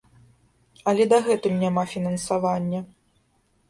Але дагэтуль няма фінансавання.